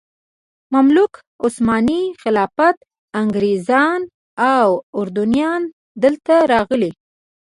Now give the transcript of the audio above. مملوک، عثماني خلافت، انګریزان او اردنیان دلته راغلي.